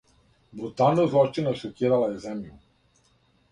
Бруталност злочина шокирала је земљу.